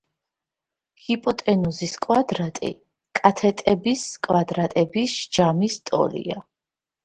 ჰიპოტენუზის კვადრატი კათეტების კვადრატების ჯამის ტოლია.